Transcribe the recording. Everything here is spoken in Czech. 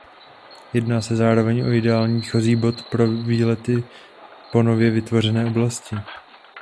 Jedná se zároveň o ideální výchozí bod pro výlety po nově vytvořené oblasti.